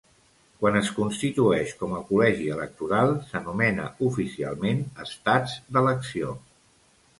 Quan es constitueix com a col·legi electoral, s'anomena oficialment "estats d'elecció".